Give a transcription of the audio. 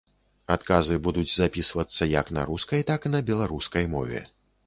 Адказы будуць запісвацца як на рускай, так і на беларускай мове.